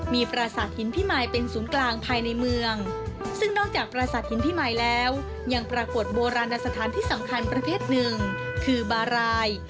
มีปราสาทหินพิมายเป็นศูนย์กลางภายในเมืองซึ่งนอกจากประสาทหินพิมายแล้วยังปรากฏโบราณสถานที่สำคัญประเภทหนึ่งคือบาราย